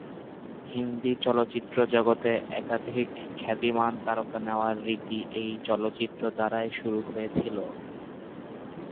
হিন্দি চলচ্চিত্র জগতে একাধিক খ্যাতিমান তারকা নেওয়ার রীতি এই চলচ্চিত্র দ্বারাই শুরু হয়েছিলো।